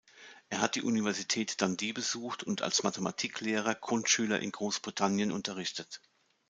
Er hat die Universität Dundee besucht und als Mathematiklehrer Grundschüler in Großbritannien unterrichtet.